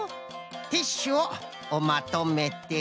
ティッシュをまとめて。